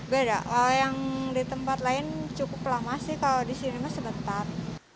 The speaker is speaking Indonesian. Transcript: beda kalau yang di tempat lain cukup lama sih kalau di sini sebentar